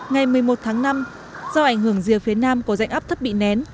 ngày một mươi một tháng năm do ảnh hưởng rìa phía nam của dạnh áp thấp bị nén